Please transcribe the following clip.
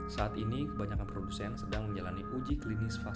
saat ini kebanyakan produsen sedang menjalani uji klinis vaksin